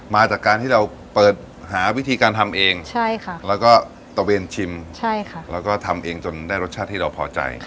มาจากการที่เราเปิดหาวิธีการทำเองแล้วก็ตะเวนชิมแล้วก็ทำเองจนได้รสชาติที่เราพอใจ